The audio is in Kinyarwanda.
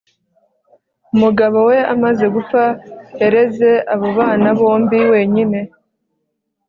umugabo we amaze gupfa, yareze abo bana bombi wenyine